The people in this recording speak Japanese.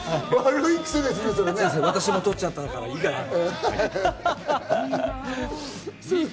私も取っちゃったから、いいかなって。